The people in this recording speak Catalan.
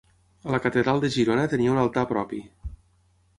A la Catedral de Girona tenia un altar propi.